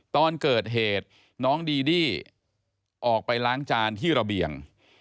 ตอนเกิดเหตุน้องดีดี้ออกไปล้างจานที่ระเบียง